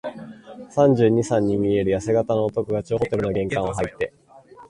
三十二、三に見えるやせ型の男が、張ホテルの玄関をはいって、